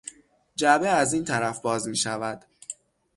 جعبه از این طرف باز میشود.